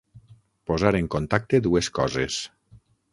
Posar en contacte dues coses.